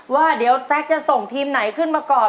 ว่าเดี๋ยวแซ็กจะส่งทีมไหนขึ้นมาก่อน